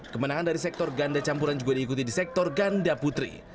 kemenangan dari sektor ganda campuran juga diikuti di sektor ganda putri